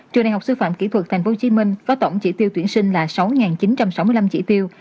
trường đại học sư phạm kỹ thuật tp hcm có tổng chỉ tiêu tuyển sinh là sáu chín trăm sáu mươi năm chỉ tiêu